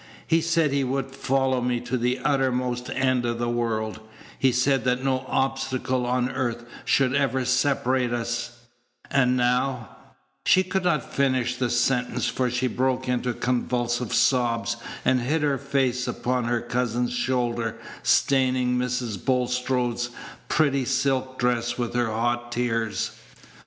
He said he would follow me to the uttermost end of the world; he said that no obstacle on earth should ever separate us; and now " She could not finish the sentence, for she broke into convulsive sobs, and hid her face upon her cousin's shoulder, staining Mrs. Bulstrode's pretty silk dress with her hot tears.